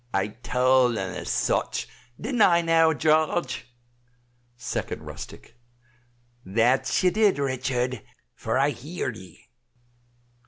"I tawld un as much, dinn't I now, Jarge?" 2d Rustic. "That ye did, Richard, for I heerd ee."